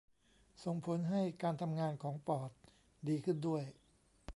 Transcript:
ส่งผลให้การทำงานของปอดดีขึ้นด้วย